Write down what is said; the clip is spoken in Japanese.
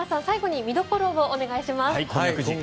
最後に見どころをお願いします。